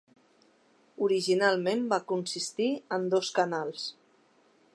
Originalment va consistir en dos canals.